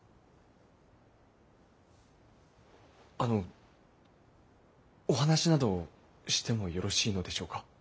あのお話などしてもよろしいのでしょうか。